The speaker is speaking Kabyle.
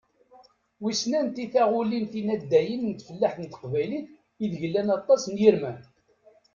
Wissen anti taɣulin tinaddayin n tfellaḥt n teqbaylit ideg llan aṭas n yirman?